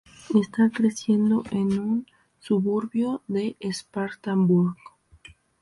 Está creciendo en un suburbio de Spartanburg.